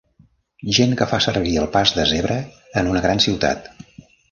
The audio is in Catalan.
Gent que fa servir el pas de zebra en una gran ciutat